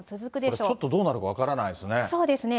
ちょっとどうなるか分からないですね。